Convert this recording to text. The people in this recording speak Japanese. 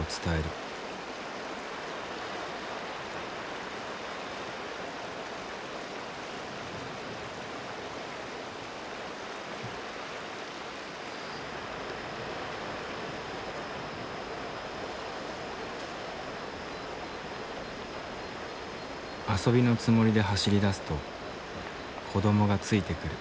遊びのつもりで走りだすと子どもがついてくる。